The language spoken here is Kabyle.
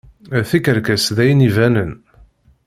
D tikerkas d ayen ibanen.